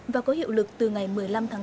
và có hiệu lực từ ngày một mươi năm tháng bốn